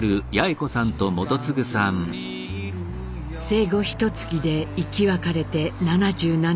生後ひとつきで生き別れて７７年。